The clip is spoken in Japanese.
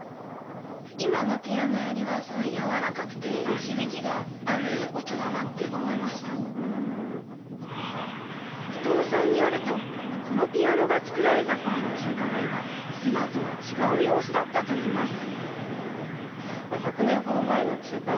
今のピアノよりはすごいやわらかくて響きがある音だなって思いました伊藤さんによるとこのピアノが作られた頃の中華街は今とは違う様子だったといいます